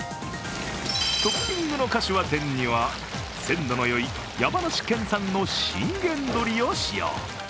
トッピングのかしわ天には、鮮度のよい山梨県産の信玄どりを使用。